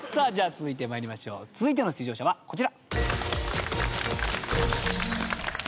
続いての出場者はこちら。